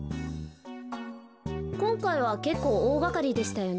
こんかいはけっこうおおがかりでしたよね。